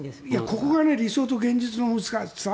ここが理想と現実の難しさ。